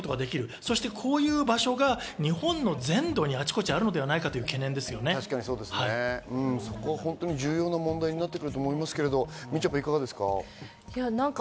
そしてこういう場所が日本の全土にあちこちあるのではないかとい重要な問題になってくると思うんですけど、みちょぱ、いかがですか？